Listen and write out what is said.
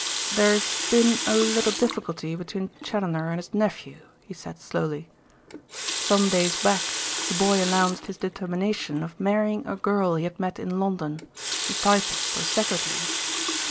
"There's been a little difficulty between Challoner and his nephew," he said slowly. "Some days back the boy announced his determination of marrying a girl he had met in London, a typist or secretary.